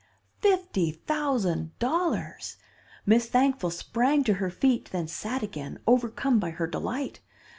"Fifty thousand dollars! Miss Thankful sprang to her feet, then sat again, overcome by her delight.